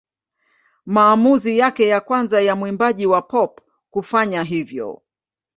Maamuzi yake ya kwanza ya mwimbaji wa pop kufanya hivyo.